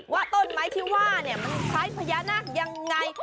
ว่าต้นไม้ที่ว่าเนี่ยมันคล้ายพญานาคยังไง